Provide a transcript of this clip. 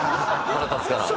腹立つから？